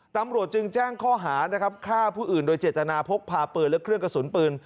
ตำรวจจึงแจ้งข้อหานะครับฆ่าผู้อื่นโดยเจตนาพกพาปืนและเครื่องกระสุนปืน